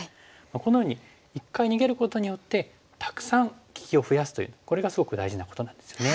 このように一回逃げることによってたくさん利きを増やすというこれがすごく大事なことなんですよね。